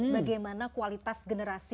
bagaimana kualitas generasi